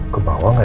ke bawah gak ya